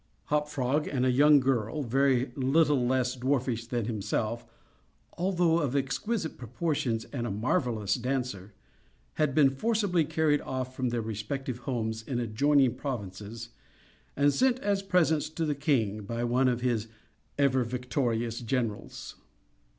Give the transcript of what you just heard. Hop Frog, and a young girl very little less dwarfish than himself (although of exquisite proportions, and a marvellous dancer), had been forcibly carried off from their respective homes in adjoining provinces, and sent as presents to the king, by one of his ever victorious generals.